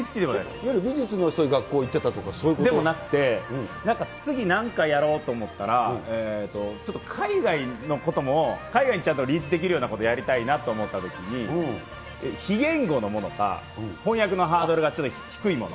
いわゆる美術のそういう学校でもなくて、次なんかやろうと思ったら、ちょっと海外のことも、海外にちゃんと、できることやりたいなと思ったときに、非言語のものか、翻訳のハードルがちょっと低いもの。